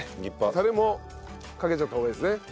タレもかけちゃった方がいいですね。